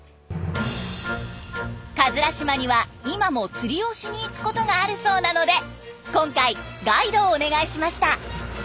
島には今も釣りをしにいくことがあるそうなので今回ガイドをお願いしました。